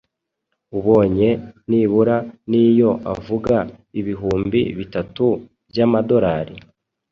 ubonye nibura niyo avuga ibihumbi bitatu by’ amadorali,